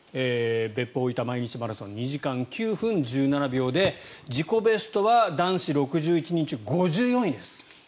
別府大分毎日マラソン２時間９分１７秒で自己ベストは男子６１人中５４位です。